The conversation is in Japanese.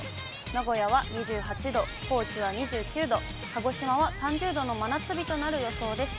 名古屋は２８度、高知は２９度、鹿児島は３０度の真夏日となる予想です。